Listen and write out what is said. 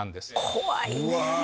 怖いね！